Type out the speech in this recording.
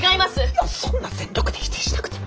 いやそんな全力で否定しなくても。